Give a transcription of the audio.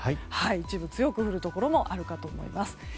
一部強く降るところもあるかと思います。